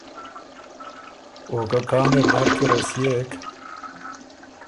او که کان اِر نر کی رسيېک